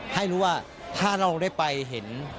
ให้รู้ว่าถ้าเราได้ไปเห็น